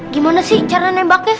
gimana sih cara nembaknya